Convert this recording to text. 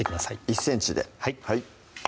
１ｃｍではい